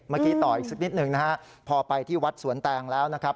ต่ออีกสักนิดหนึ่งนะฮะพอไปที่วัดสวนแตงแล้วนะครับ